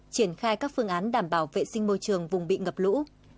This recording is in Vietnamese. triển khai các phương án đảm bảo vệ sinh môi trường vùng bị ngập lũ